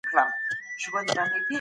د سیاحت صنعت وده کوله.